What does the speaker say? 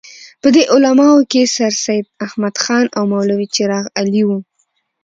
په دې علماوو کې سرسید احمد خان او مولوي چراغ علي وو.